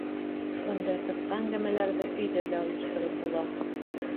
Бындай ҡыҫҡа әңгәмәләрҙе өйҙә лә ойоштороп була.